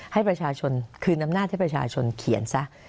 ให้ประชาชนคืนอำนาจให้ประชาชนเขียนซะ